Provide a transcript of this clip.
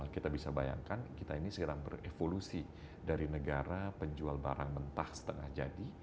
kita bisa bayangkan kita ini sekarang berevolusi dari negara penjual barang mentah setengah jadi